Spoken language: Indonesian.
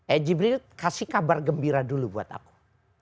eh jibril kasih kabar gembira dulu buat aku